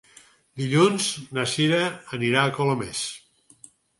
Dilluns na Sira anirà a Colomers.